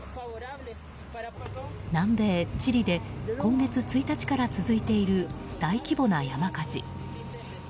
南米チリで今月１日から続いている大規模な山火事。